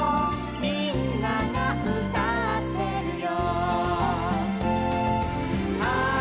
「みんながうたってるよ」